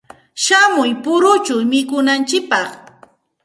Shamuy puruchaw mikunantsikpaq.